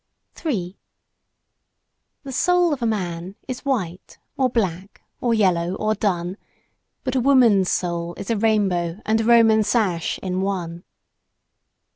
3 The soul of a man is white or black, or yellow, or dun; But a woman's soul is a rainbow and a Roman sash in one.